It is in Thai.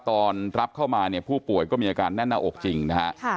ตอนรับเข้ามาเนี่ยผู้ป่วยก็มีอาการแน่นหน้าอกจริงนะฮะ